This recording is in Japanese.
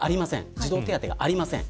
児童手当がありません。